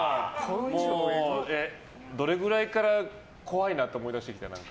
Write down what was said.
どれぐらいから怖いなと思ってきた？